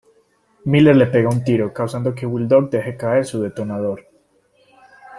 Miller le pega un tiro, causando que Will Dog deje caer su detonador.